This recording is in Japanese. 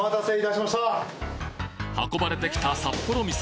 運ばれてきた札幌味噌